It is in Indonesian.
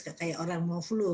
kayak orang mau flu